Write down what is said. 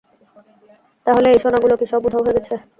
তাহলে সেই সোনাগুলো কি সব উধাও হয়ে গেছে?